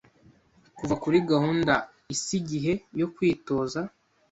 Kuva kuri gahunda isa igihe yo kwitoza